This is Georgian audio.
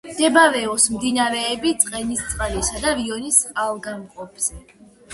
მდებარეობს მდინარეების ცხენისწყლისა და რიონის წყალგამყოფზე.